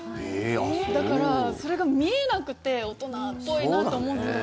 だから、それが見えなくて大人っぽいなと思って。